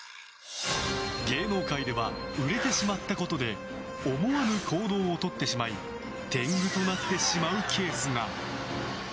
芸能界では売れてしまったことで思わぬ行動をとってしまい天狗となってしまうケースが。